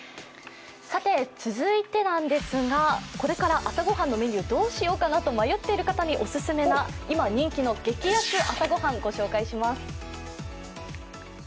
続いて、これから朝ごはんのメニュー、どうしようかなと迷っている方にオススメな今人気な激安朝御飯をご紹介します。